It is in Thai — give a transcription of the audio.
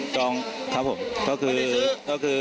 จองครับตะกรี่ซื้อ